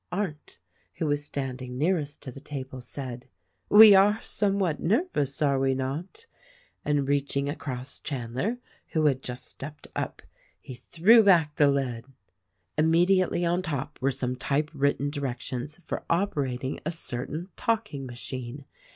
Arndt — who was standing nearest to the table — said, "We are somewhat nervous, are we not?" and, reaching across Chandler who had just stepped up, he threw back the lid. Immediately on top were some typewritten directions for operating a certain talking machine.